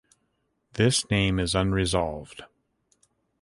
This name is unresolved.